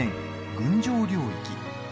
「群青領域」。